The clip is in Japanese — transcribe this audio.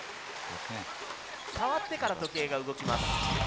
触ってから時計が動きます。